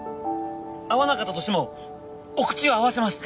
合わなかったとしてもお口を合わせます！